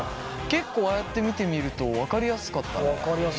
結構ああやって見てみると分かりやすかったね。